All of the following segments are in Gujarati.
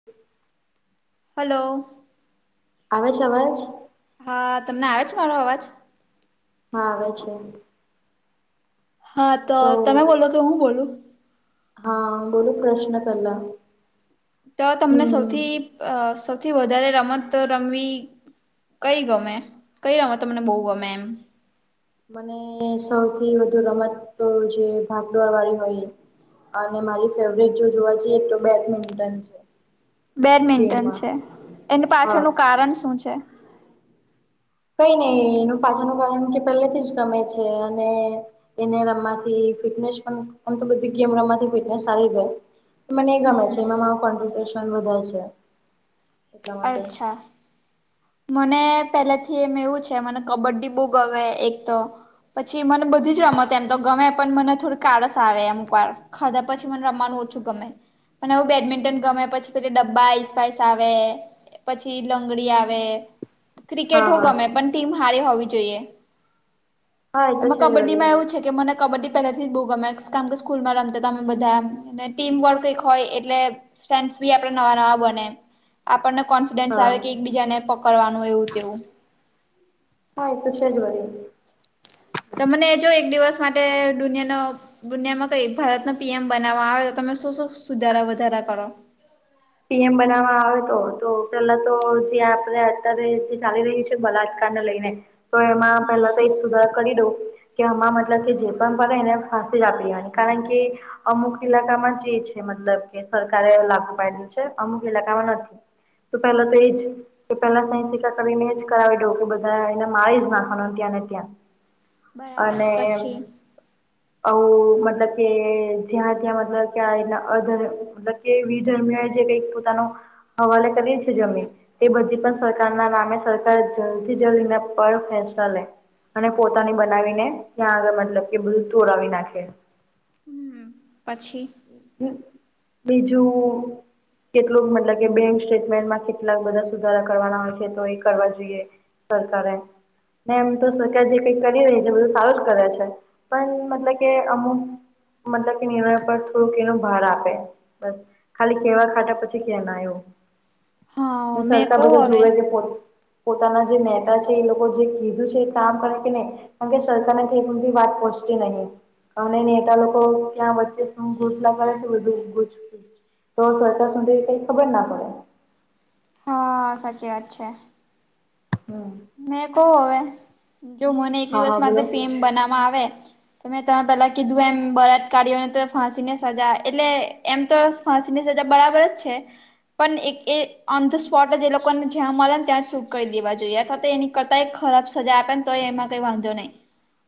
[inaudible] હલો. આવે છે અવાજ. હા તમને આવે છે મારો અવાજ. હા આવે છે. હા તો તમે બોલો કે હું બોલું. હા બોલો પ્રશ્ન કરલા હુ. તો તમને સૌથી અ સૌથી વધારે રમત રમવી કઈ ગમે કઈ રમત તમને બહુ ગમે એમ. મને સૌથી વધુ રમત જે ભાગદોર વાળી હોય એ. અને મારી ફેવરેટ જો જોવા જઈએ તો બેડમિન્ટન છે. બેડમિન્ટન ગેમમાં છે એની હા પાછળનું કારણ શું છે? કઈ નહી એનું પાછા નું કારણ કે પહેલેથી જ ગમે છે અને એને રમવાથી ફિટનેશ પન પન તો બધી ગેમ રમવાથી ફિટનેસ સારી રેહ. મને એ ગમે હમ છે એમાં મા કોમ્પિટેશન વધારે છે એટલા માટે. અચ્છા મને પેલા થી એમ એવું છે મને કબડ્ડી બહું ગમે એક તો. પછી મને બધી જ રમત એમ તો ગમે પણ મને થોડક કાળસ આવે અમુક વાર ખાધા પછી મને રમવાનું ઓછું ગમે. અને એવું બેડમિન્ટન ગમે પછી પે ડબ્બા આઈસ પાઈસ આવે પછી લંગડી આવે ક્રિકેટ હા હો હા ગમે પણ ટીમ હારી હોવી જોઈએ. હા એ તો એમાં છે જ કબડ્ડી વરી માં એવું છે. કે મને કબડ્ડી પહેલાથી જ બહુ ગમે [unintelligible] સ્કૂલમાં રમતા તમે બધા ને ટીમ વર્ક કઈક હોય એટલે કે ફ્રેન્ડ્સ બી આપણા નવા નવા બને. આપણને કોન્ફિડન્સ હા આવે કે એકબીજાને પકડવાનું એવું તેવું. હ એ તો છે જ વરી. ત મને જો એક દિવસ માટે દુનિયાનો દુનિયામાં કઈ ભારતના પી એમ બનાવવા આવે તો તમે શું શું સુધારા વધારા કરો. પી એમ બનાવવા આવે તો તો પેલા તો જે આપડે અત્યારે જે ચાલી રહ્યું છે. તે બલાત્કારને લઈને તો એમાં પેલા તો એક સુધાર કરી દઉં કે એમાં મતલબ કે જે પણ પડે એને ફસી જ આપી દેવાની કારણ કે અમુક ઈલાકામાં જે છે મતલબ કે સરકારે લાગુ પાડ્યું છે અમુક ઈલાકામાં નથી. તો પહેલા તો એ જ એ પેલા સહી સિક્કા કરીને જ કરાવી દઉં કે બધાને એને મારી જ નાખવાનો ત્યાંને ત્યાં. બરાબર અને પછી આવું મતલબ કે જ્યાં ત્યાં મતલબ ક્યાં એ અધર્મ મતલબ કે વિધર્મી જે કઈક પોતાનો હવાલે કરીએ છે જમીન તે એ બધી પણ સરકારના નામે સરકાર જલ્દીથી જલ્દી પર ફેસલા લે. અને પોતાની બનાવીને ત્યાં આગળ મતલબ કે બધું તોડાવી નાખે. હમ પછી હામ બીજું કેટલુંક મતલબ કે બેંક સ્ટેટમેન્ટમાં કેટલાક બધા સુધારા કરવાના હોય છે તો એ કરવા જોઈએ. સરકારે ને એમ તો સરકાર જે કઈ કરી રહી છે બધું સારું જ કરે છે. પણ મતલબ કે અમુક મતલબ કે નિર્ણયપટ થોડુંક એનો ભાર આપે બસ ખાલી કેવા ખાતા પછી કે ના એવું. હા હું મેં કવ સરકાર બધા હવે જોવે કે પોત પોતાના જે નેતા છે એ લોકો જે કીધું છે એ કામ કરે તેને કારણ કે સરકારને [unintelligible] એવી બધી વાત પહોચતી નથી અને નેતા લોકો ક્યાં વચ્ચે હું ગૂસલા [unintelligible] તો સરકાર સુધી કઈ ખબર ના પડે. હા સાચી વાત છે. હા. મેં કહું હવે જો મને એક હા દિવસ હા બોલો માટે પી એમ બનાવા આવે તો મેં તમે પહેલાં કીધું એમ બળાત્કારીઓને તો ફાંસીને સજા એટલે એમ તો ફાંસીની સજા બરાબર જ છે. પણ એક એ ઓન ધ સ્પોટ જ એ લોકોને જ્યાં મળે ને ત્યાં [unintelligible] કરી દેવા જોઈએ. હા તો એની કરતા ખરાબ સજા આપે ને તો એમાં કઈ વાંધો નહી.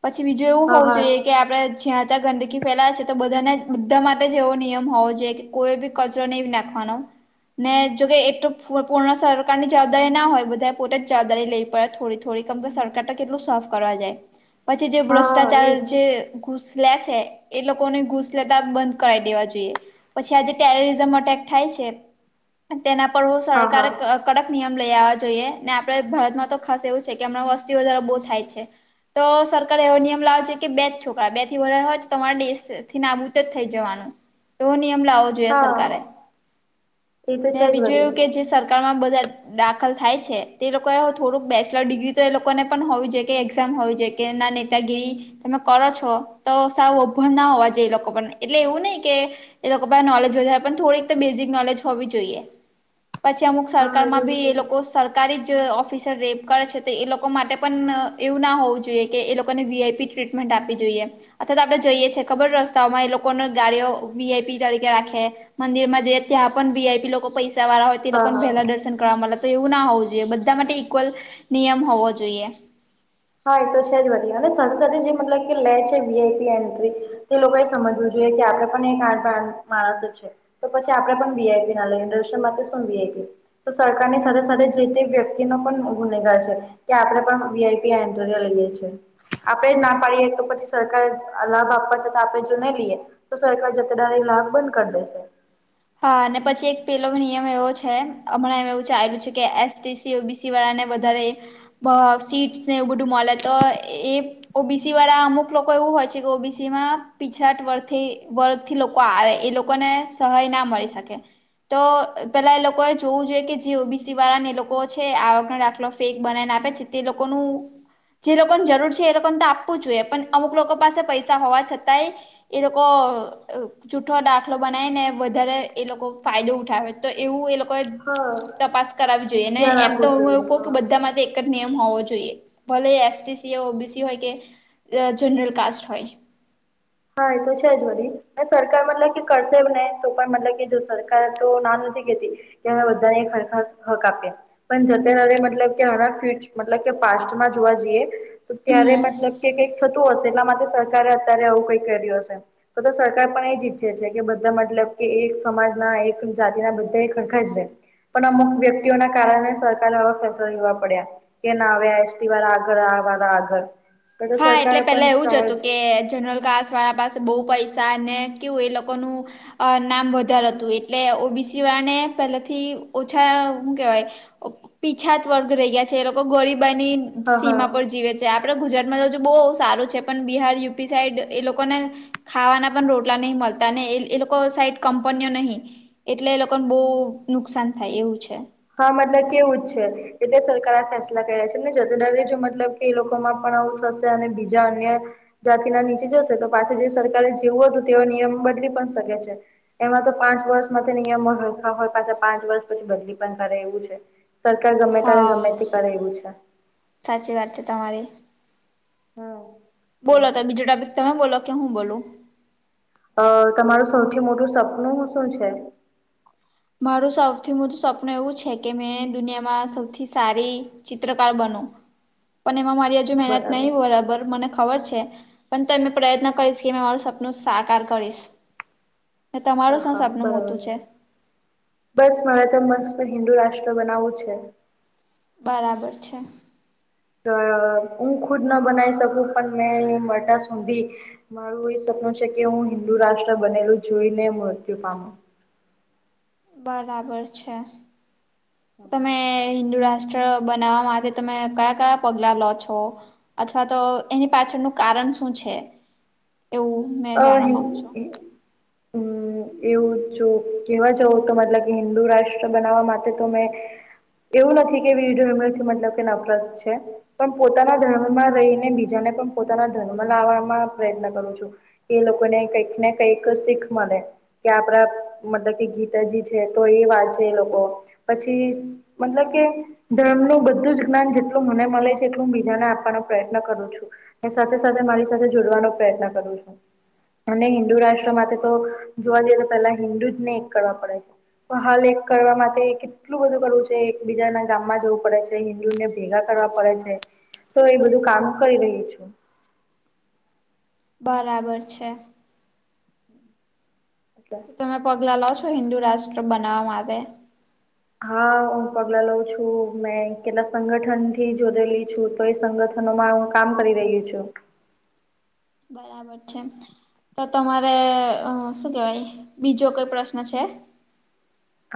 પછી બીજું એવું હા હોવું હા જોઈએ કે આપડે જ્યાં ત્યાં ગંદકી ફેલાવે છે તો બધાને બધા માટે જ એવો નિયમ હોવો જોઈએ કે કોઈ બી કચરો નહીં નાખવાનો. ને જોકે એ તો પૂર્ણ સરકારની જવાબદારી ના હોય બધા પોતે જ જવાબ લેવી પડે થોડી થોડી કેમ કે સરકાર તો કેટલું સાફ કરવા જાય. પછી જે હા ભ્રષ્ટાચાર હા એજ જે ઘૂસ લે છે એ લોકોને ઘૂસ લેતા બંધ કરાવી દેવા જોઈએ. પછી આ જે ટેરિઝમ અટેક થાય છે તેના પર હું હા હા સરકારે કડક નિયમ લઈ આવવા જોઈએ ને આપ આપડે ભારતમાં તો ખાસ એવું છે કે હમણાં વસ્તી વધારો બો થાય છે. તો સરકારે એવો નિયમ લાવો જોઈએ કે બે જ છોકરા બે થી વધારે હોય તો તમારે દેશથી નાબૂદ જ થઈ જવાનું. એવો નિયમ લાવવો જોઈએ હા સરકારે એ તો ને છે જ બીજું વળી એવુ કે જે સર સરકારમાં બધા દાખલ થાય છે તે એ લોકોએ થોડુંક બેચલર ડિગ્રી તો એ લોકોને પણ હોવી જોઈએ કે એક્ઝામ હોવી જોઈએ એના નેતાગીરી તમે કરો છો તો સાવ અભણ ના હોવા જોઈએ એ લોકો પણ એટલે એવું નઈ કે એ લોકો પાસે નોલેજ વધારે પણ થોડીક તો બેઝિક નોલેજ હોવી જોઈએ પછી અમુક હા તો સરકારમાં બી છે એ લોકો સર સરકારી જ ઓફિસર રેપ કરે છે તો એ લોકો માટે પણ એવું ના હોવું જોઈએ કે એ લોકોને વીઆઈપી ટ્રીટમેન્ટ આપવી જોઈએ. અથવા તો આપણે જઈએ છીએ ખબર રસ્તાઓમાં એ લોકોને ગાડીઓ વીઆઈપી તરીકે રાખે. મંદિર માં જયે ત્યાં પણ વીઆઈપી લોકો પૈસા વાળા હોય તો એ હા લોકો ને હા વહેલા દર્શન કરવા મળે તો એવું ના હોવું જોઈએ બધા માટે ઈક્વલ નિયમ હોવો જોઈએ. હા એ તો છે જ વધી અને સાથે સાથે જે મતલબ કે લે છે વીઆઈપી એન્ટ્રી તે લોકો એ સમજવું જોઈએ કે આપણે પણ એ માણસ જ છે તો પછી આપણે પણ વીઆઈપી ના લય [unintelligible] માટે શું વીઆઈપી? તો સરકારની સાથે સાથે જે તે વ્યક્તિ નો પણ ગુનેગાર છે કે આપણે પણ વીઆઇપી [unintelligible] લઈ ગઈ છીએ આપડે જ ના પાડીએ તો પછી સરકાર લાભ આપવા છતા આપડે જો ના રહયે. તો સરકાર જતેદાર લાભ બંધ કરી દેશે. હા અને પછી એક પેલો નિયમ એવો છે હમણાં એમ એવું ચાયલું છે કે એસટીસી ઓબીસી વાળાને વધારે બ સીટ ને એવુ બધું મળે તો એ ઓબીસી વાળા અમુક લોકો એવું હોય છે કે ઓબીસી માં પિછડાટ વર્થથી વર વરથી લોકો આવે એ લોકોને સહાય ના મળી શકે. તો પેલા એ લોકોએ જોવું જોઈએ કે જે ઓબીસી વાળા ને લોકો છે આવકનો દાખલો ફેક બનાવીને આપે છે તે લોકોનું જે લોકોને જરૂર છે એ લોકોને તો આપવું જ જોઈએ પણ અમુક લોકો પાસે પૈસા હોવા છતાંય એ લોકો અ જૂઠ્ઠો દાખલો બનાય ને વધ વધારે એ લોકો ફાયદો ઉઠાવે તો એવું એ લોકો હા તપાસ કરાવવી જોઈએ ને ધ્યાન એમ તો આપવું હું જોઈએ એવું કહું કે હા બધા માટે એક જ નિયમ હોવો જોઈએ ભલે એસટીસી, ઓબીસી હોય કે જનરલ કાસટ હોય. હા એ તો છે જડી. સરકાર મતલબ કે કરશે ને તો પણ મતલબ કે જો સરકાર તો ના નથી કેતી. તેમાં બધાને એક હરખા હક આપયા પણ જતે દાડે મતલબ કે આનાં ફ્યુચ મતલબ કે પાસ્ટમાં જોવા જઈએ તો ક્યારે હમ મતલબ કે કઈક થતું હશે એટલા માટે સરકારે અત્યારે આવું કઈક કર્યું હશે. તો તો સરકાર પણ એ જ ઈચ્છે છે કે બધા મતલબ કે એક સમાજના એક જાતિના બધા એક હરખા જ રેય. પણ અમુક વ્યક્તિઓના કારણે સરકારે આવા ફેસલા લેવા પડ્યા. કે ના અવે એસટી વાળા આગળ આ વારા આગળ. તો તો હા એટલે સરકાર પેલા પણ એવું જ ચાહે હતું કે જનરલ ઘાસ વાળા પાસે બહુ પૈસા ને કેવું એ લોકોનું અ નામ વધારે હતું એટલે ઓબીસી વાને પહેલાથી ઓછા હુ કેહેવાય અ પીછાત વર્ગ રહી ગ્યા છે એ લોકો ગરીબાની હા હા સીમા પર જીવે છે આપડે ગુજરાત મરજુ બઉ સારું છે પન બિહાર, યુપી સાઈડ એ લોકો ને ખાવાના પન રોટલા નહી મલતા ને એ એ લોકો સાઈડ કંપનીઓ નહી. એટલે એ લોકોન બહુ નુકસાન થાય એવું છે. હા મતલબ કેવું જ છે. એટલે સરકાર ફેસલા કર્યા છે જતેદારી જો મતલબ કે એ લોકોમાં પણ આવું થશે અને બીજા અન્ય જાતિના નીચે જશે તો પાછી જે સરકારે જેવું હતું તેવો નિયમ બદલી પણ શકે છે. એમાં તો પાંચ વર્ષ માટે નિયમો હલકા હોતા છે પાંચ વર્ષ પછી બદલી પન કરે એવું છે, સરકાર ગમે તારે હા ગમે તે કરે એવું છે. સાચી વાત છે તમારી. હમ. બોલો તો બીજું ટોપીક તમે બોલો કે હું બોલું. અ તમારું સૌથી મોટું સપનું શું છે? મારું સૌથી મોટું સપનું એવું છે કે મેં દુનિયામાં સૌથી સારી ચિત્રકાર બનું. પન એમાં મારી હજુ મહેનત બરાબર નહી બરાબર મને ખબર છે. પણ તોય મે પ્રયત્ન કરીશ કે મારું સપનું સાકાર કરીશ. ને હા તમારું શું હા સપનું મોટું બરાબર. છે બસ મારે તો મસ્ત હિન્દુ રાષ્ટ્ર બનાવવું છે. બરાબર છે. હા હુ ખુદ ના બનાઈ શકું! પણ મેં મટા સૂંધી મારું એ સપનું છે કે, હું હિન્દુ રાષ્ટ્ર બનેલું જોઈને મૃત્યુ પામું. બરાબર છે તમે હિન્દુ રાષ્ટ્ર બનાવવા માટે તમે કયા કયા પગલા લો છો? અથવા તો એની પાછળનું કારણ શું છે, એવું મેં અ જાણવા માંગુ છું? હમ. એવું જો કહેવા જવું તો મતલબ કે હિન્દુ રાષ્ટ્ર બનાવવા માટે તો મેં એવું નથી કે વિડીયો એમથી મતલબ કે નફરત છે. પન પોતાના ધર્મમાં રહીને બીજાને પન પોતાના ધર્મમાં લાવાવામાં પ્રયત્ન કરું છું. કે લોકોને કઈક ને કઈક શીખ મલે. કે આપડા મતલબ કે ગીતાજી છે તો એ વાંચે એ લોકો પછી મતલબ કે ધર્મનું બધું જ્ઞાન જેટલું મને મલે છે, એટલું હું બીજાને આપવાનો પ્રયત્ન કરું છું. ને સાથે સાથે મારી સાથે જોડવાનો પ્રયત્ન કરું છું. અને હિન્દુ રાષ્ટ્ર માતે તો જોવા જઈએ તો પેલા હિન્દુ જ ને એક કરવા પડે છે. પન હાલ એક કરવા માટે એકે એટલું બધું કરવું છે એક બીજાના ગામમાં જવું પડે છે, હિન્દુને ભેગા કરવા પડે છે તો એ બધું કામ કઈ રહી છું. બરાબર છે. એટલે તો તમે પગલા લો છો હિન્દુ રાષ્ટ્ર બનાવા માટે? હા હું પગલા લઉં છું મેં કેટલાક સંગઠનથી જોડેલી છું. તો એ સંગઠનોમાં હું કામ કરી રહી છું. બરાબર છે. તો તમારે અ શું કહેવાય બીજો કોઈ પ્રશ્ન છે?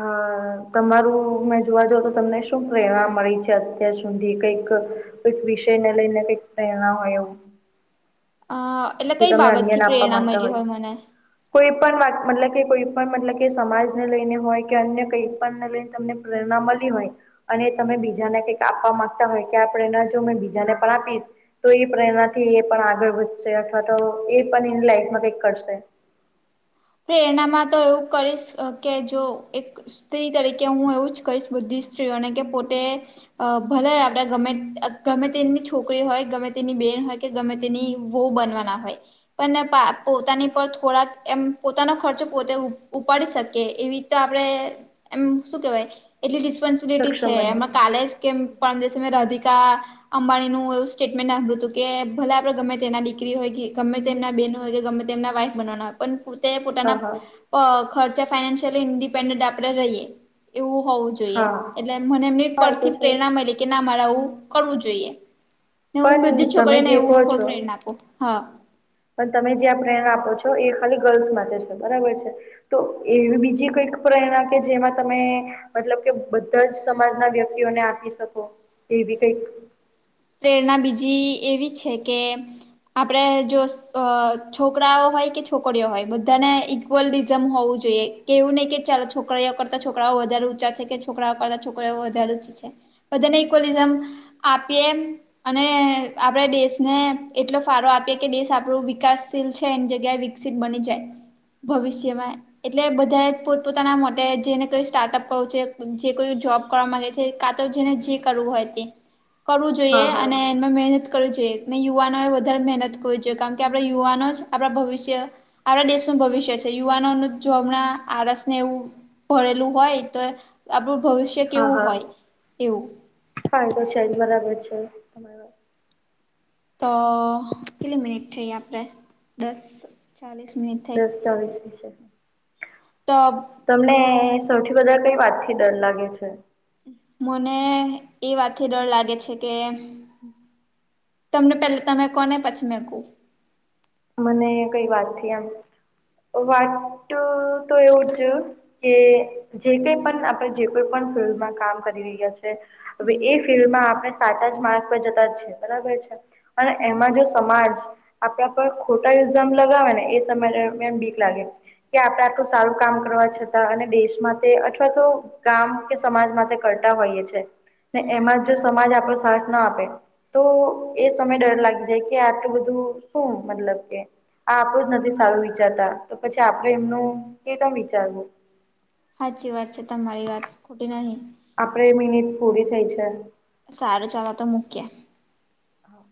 અ તમારું મે જોવા જાવ તો તમને શું પ્રેરણા મળી છે, અત્યાર સુધી કંઈક કઈક વિષય ને લઈને કઈક પ્રેરણા હોય એવું હા એટલે જે કઈ તમે બાબત અન્યને થી આપવા પ્રેરણા માંગતા મયલી હોય મને કોઈ પણ મતલબ કે કોઈ પણ મતલબ કે સમાજને લઈને હોય કે અન્ય કઈ પણને લઈને? તમને પ્રેરણા મળી હોય અને તમે બીજાને કઈક આપવા માંગતા હોય કે આ પ્રેરણા મેં બીજાને પણ આપીશ તો ઈ પ્રેરણાથી એ પણ આગળ વધશે અથવા તો એ પણ એની લાઈફમાં કંઈક કરશે. કે એના માં તો એવું કરીશ કે જો એક સ્ત્રી તરીકે હું એવું જ કહીશ બધી સ્ત્રીઓ ને કે પોતે અ ભલે આપડે ગમે ગમે તેની છોકરી હોય, ગમે તેની બેન હોય કે ગમે તેની વહુ બનવાના હોય, પણ પોતાની પર થોડાક એમ પોતાનો ખર્ચો પોતે ઉપાડી શકે એવી, તો આપણેે એમ શું કેહેવાય? એટલી રિસ્પોન્સિબિલિટી છે, સક્ષમ બને એમાં કાલે જ કેમ પરમ દિવસે મે રાધિકા અંબાણીનું એવું સ્ટેટમેન્ટ આપ્યું હતું કે, ભલે આપડે ગમે તેના દીકરી હોય કે ગમે તેમના બેન હોય કે ગમે, તેમના વાઇફ બનાવાના પણ તે હા પોતાના હા પ ખર્ચા ફનાશયલી ઇન્ડિપેન્ડન્ટ આપડે રહીએ એવું હોવું જોઈ જોઈએ હા એટલે મને એમની હા એ તો પરથી છે પ્રેરણા મળલી કે ના મારે આવું કરવું જોઈએ. ને હું પણ બધી જ તમે છોકરીઓને જે કહો એવું હો છો પ્રેરણા આપું હા. પણ તમે જે આ પ્રેરણા આપો છો, એ ખાલી ગર્લ્સ માટે છે? બરાબર છે. તો એવી બીજી કઈક પ્રેરણા કે જેમાં તમે મતલબ કે બધા જ સમાજ ના વ્યક્તિઓને આપી શકો એવી કઈ? પ્રેરણા બીજી એવી છે કે આપડે જો છોકરાઓ હોય કે, છોકરીઓ હોય બધાને ઇક્વલિઝમ હોવું જોઈએ કે એવું નય કે ચાલો છોકરાઓ કરતા છોકરાઓ વધારે ઊંચા છે કે છોકરાઓ કરતા છોકરાઓ વધારે જ છે, બધાને ઈકવલીઝમ આપીએ અને આપડે દેશને એટલો ફાળો આપીએ કે દેશ આપણું વિકાસશીલ છે એની જગ્યાએ વિક્સિત બની જાય ભવિષ્યમાં એટલે બધા પોતપોતાના મતે જેને કોઈ સ્ટાર્ટઅપ કરવુ છે જે કોઈ જોબ કરવા મળે છે કા તો જેને જે કરવું હોય તે કરવું જોઈએ હા હા અને એમાં મેહનત કરવુ જોઈએ ને યુવાનોએ વધારે મહેનત કરવી જોઈએ કારણ કે આપણે યુવાનો જ આપણા ભવિષ્ય આપડા દેશનું ભવિષ્ય છે યુવાનોનું જો હમણાં આળસને એવું ભરેલું હોય તો આપણું ભવિષ્ય હા કેવું હા હોય એવું? હા એ તો છે જ બરાબર છે. તમારી વાત તો કેટલે મિનીટ થઈ આપડે દસ ચાલીસ મિનીટ દસ ચાલીસ વિશે તબ તમને સૌથી વધારે કઈ વાતથી ડર લાગે છે? મને એ વાતથી ડર લાગે છે કે તમને પેલા તમે કોહ ને પછી મેં કું મને કઈ વાતથી એમ વાત તો એવું જ કે જે કઈ પણ આપણે જે કોઈ પણ ફિલ્ડમાં કામ કરી રહ્યા છે હવે હમ એ ફિલ્ડમાં આપણે સાચા જ માર્ગ પર જતા જ છે એ બરાબર છે. અને હમ એમાં જો સમાજ આપડા પર ખોટા ઇનઝામ લગાવે ને એ સમય દરમિયાન બીક લાગે. કે આપડે આટલું સારું કામ કરવા છતાં અને દેશ માટે અથવા તો કામ કે સમાજ માટે કરતા હોઈએ છે ને હમ એમાં જો સમાજ આપડો સાથ ના આપે તો એ સમય ડર લાગી જાય કે આટલું બધું હું મતલબ કે આ આપડું જ નથી સારું વિચારતા તો પછી આપડે એમનું કે કમ વિચારવું. હાચી વાત છે તમારી વાત ખોટી નહી. આપણે મિનિટ પૂરી થઈ છે. સારું ચાલો તો મૂક્યે. હા.